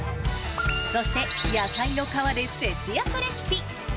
そして、野菜の皮で節約レシピ。